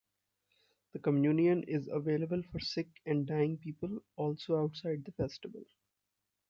The communion is available for sick and dying people also outside the festival.